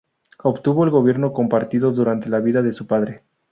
Obtuvo el gobierno compartido durante la vida de su padre.